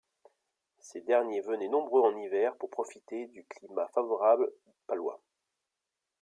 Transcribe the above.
Ces derniers venaient nombreux en hiver pour profiter du climat favorable palois.